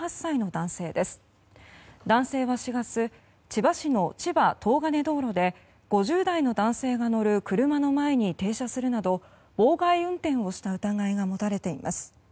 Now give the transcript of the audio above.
男性は４月千葉市の千葉東金道路で５０代の男性が乗る車の前に停車するなど妨害運転をした疑いが持たれています。